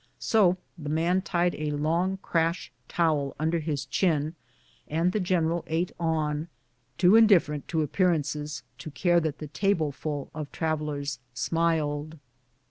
So the man tied a long crasli towel under his chin, and the general ate on, too indifferent to appear ances to care because the tableful of travellers smiled.